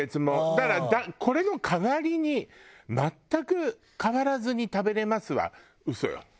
だから「これの代わりに全く変わらずに食べれます」は嘘よ。